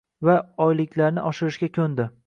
va oyliklarni oshirishga ko‘ndi.